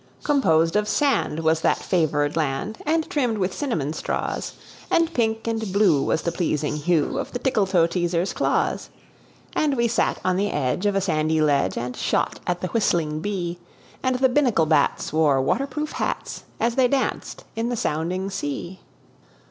Composed of sand was that favored land, And trimmed with cinnamon straws; And pink and blue was the pleasing hue Of the Tickletoeteaser's claws. And we sat on the edge of a sandy ledge And shot at the whistling bee; And the Binnacle bats wore water proof hats As they danced in the sounding sea.